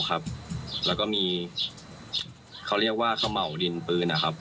แล้วก็มีเขาเรียกว่าเขม่าวดินปืนนะครับ